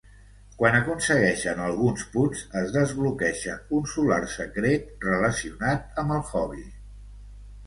Quan aconsegueixen alguns punts, es desbloqueja un solar secret relacionat amb el hobby.